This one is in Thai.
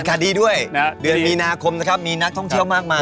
ขายดีด้วยเดือนมีนาคมนะครับมีนักท่องเที่ยวมากมาย